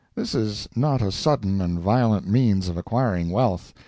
This is not a sudden and violent means of acquiring wealth.